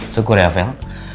syukur ya fel